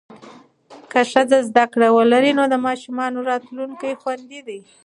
که ښځه زده کړه ولري، نو د ماشومانو راتلونکی خوندي دی.